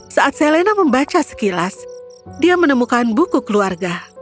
saat selena membaca sekilas dia menemukan buku keluarga